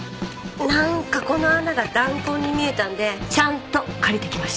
なんかこの穴が弾痕に見えたんでちゃんと借りてきました。